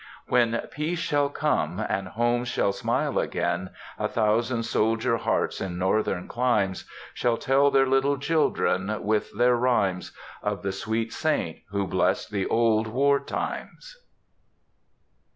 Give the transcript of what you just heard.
"When peace shall come, and homes shall smile again, A thousand soldier hearts in Northern climes Shall tell their little children, with their rhymes, Of the sweet saint who blessed the old war times."